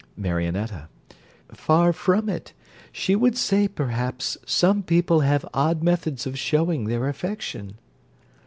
MARIONETTA Far from it. She would say, perhaps, some people have odd methods of showing their affection.